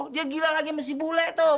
dia gila lagi sama si bule tuh